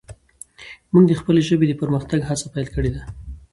موږ د خپلې ژبې د پرمختګ هڅه پیل کړي ده.